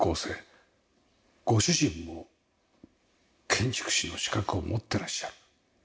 ご主人も建築士の資格を持ってらっしゃる。